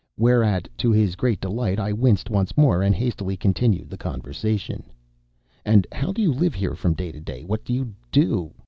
Whereat, to his great delight, I winced once more and hastily continued the conversation: "And how do you live here from day to day? What do you do?"